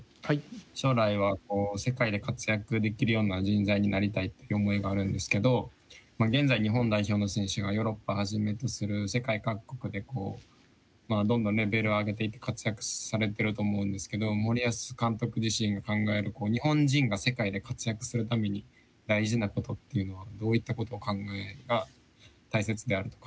将来は世界で活躍できるような人材になりたいっていう思いがあるんですけど現在日本代表の選手がヨーロッパをはじめとする世界各国でどんどんレベルを上げていって活躍されてると思うんですけど森保監督自身が考える日本人が世界で活躍するために大事なことっていうのはどういったこと考えが大切であると考えられてますか？